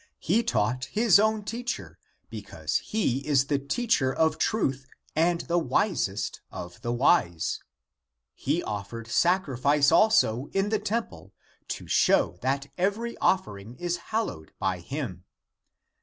He taught his own teacher,^ because he is the teacher of truth and the wisest of the wise ; he offered sacrifice also in the temple, to show that every offering is hallowed (by him).